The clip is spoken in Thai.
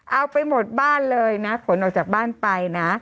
เอาไปหมดบ้านเลยนะขนออกจากบ้านไปนะ